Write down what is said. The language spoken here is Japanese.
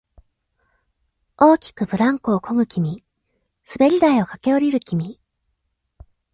大きくブランコをこぐ君、滑り台を駆け下りる君、